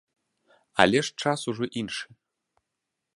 Але ж час ужо іншы.